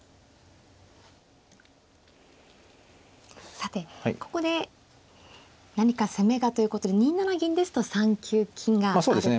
さてここで何か攻めがということで２七銀ですと３九金があると。